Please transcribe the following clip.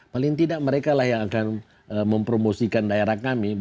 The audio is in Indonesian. paling tidak mereka lah yang akan mempromosikan daerah kami